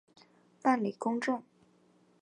办理公证